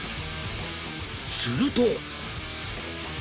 すると。